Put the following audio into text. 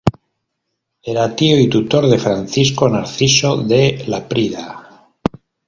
Era tío y tutor de Francisco Narciso de Laprida.